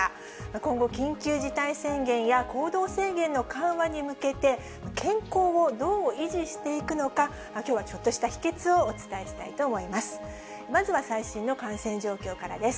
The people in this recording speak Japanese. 今後、緊急事態宣言や行動制限の緩和に向けて、健康をどう維持していくのか、きょうはちょっとした秘けつをお伝えしたいと思います。